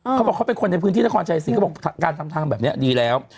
เขาบอกเขาเป็นคนในพื้นที่นครชัยศรีเขาบอกการทำทางแบบนี้ดีแล้ว